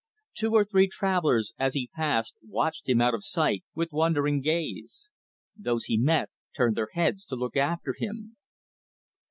Two or three travelers, as he passed, watched him out of sight, with wondering gaze. Those he met, turned their heads to look after him.